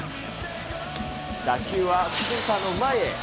打球はセンターの前へ。